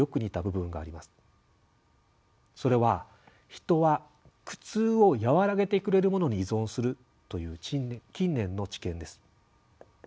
それは「人は苦痛をやわらげてくれるものに依存する」という近年の知見です。